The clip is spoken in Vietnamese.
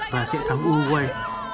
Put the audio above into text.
và sẽ thắng uruguay